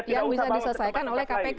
yang bisa diselesaikan oleh kpk